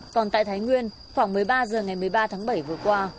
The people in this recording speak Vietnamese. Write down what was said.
còn tại thái nguyên khoảng một mươi ba h ngày một mươi ba tháng bảy vừa qua